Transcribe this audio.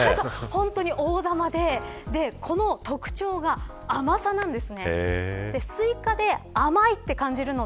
本当に大玉で特徴が甘さなんです。